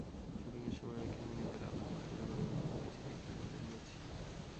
শুটিংয়ের সময় অনেক কিছু নিজেরা আলোচনা করে পরিবর্তন করেছি, ঠিকঠাক করে নিয়েছি।